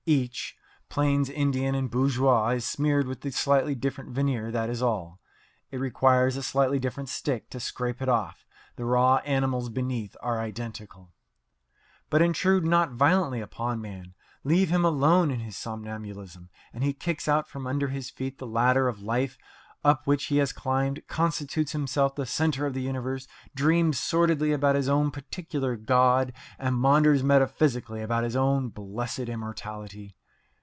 Each, plains Indian and bourgeois, is smeared with a slightly different veneer, that is all. It requires a slightly different stick to scrape it off. The raw animals beneath are identical. But intrude not violently upon man, leave him alone in his somnambulism, and he kicks out from under his feet the ladder of life up which he has climbed, constitutes himself the centre of the universe, dreams sordidly about his own particular god, and maunders metaphysically about his own blessed immortality.